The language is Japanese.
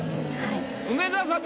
梅沢さん